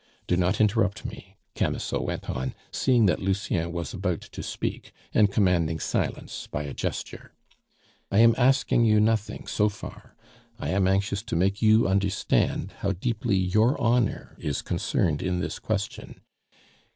Do not interrupt me," Camusot went on, seeing that Lucien was about to speak, and commanding silence by a gesture; "I am asking you nothing so far. I am anxious to make you understand how deeply your honor is concerned in this question.